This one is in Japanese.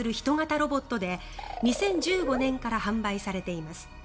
ロボットで２０１５年から販売されています。